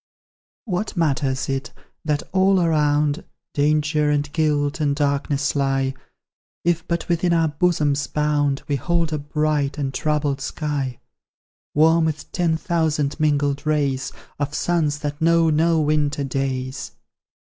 What matters it, that all around Danger, and guilt, and darkness lie, If but within our bosom's bound We hold a bright, untroubled sky, Warm with ten thousand mingled rays Of suns that know no winter days?